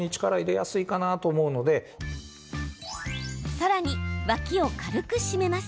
さらに、脇を軽く締めます。